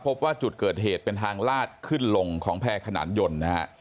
พบว่าจุดเกิดเหตุเป็นทางลาดขึ้นลงของแพร่ขนานยนต์นะฮะ